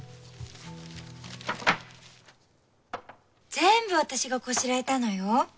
全部私がこしらえたのよ。